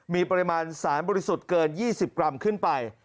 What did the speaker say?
มีปริมาณสารบริสุทธิ์เกิน๒๐กรัมขึ้นไป